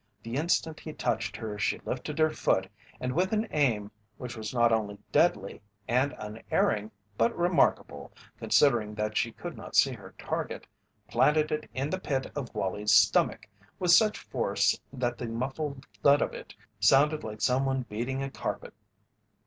The instant he touched her she lifted her foot and with an aim which was not only deadly and unerring but remarkable, considering that she could not see her target, planted it in the pit of Wallie's stomach with such force that the muffled thud of it sounded like someone beating a carpet.